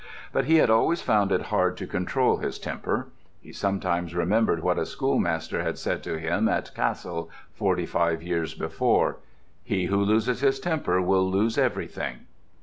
But he had always found it hard to control his temper. He sometimes remembered what a schoolmaster had said to him at Cassel, forty five years before: "He who loses his temper will lose everything."